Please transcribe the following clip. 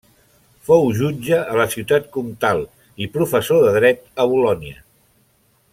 Fou jutge a la Ciutat Comtal i professor de dret a Bolonya.